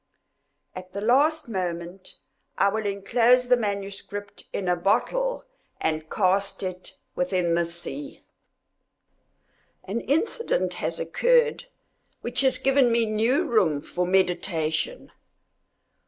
At the last moment I will enclose the MS. in a bottle, and cast it within the sea. An incident has occurred which has given me new room for meditation.